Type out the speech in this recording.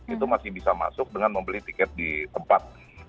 itu masih bisa masuk dengan membeli tiket di tempat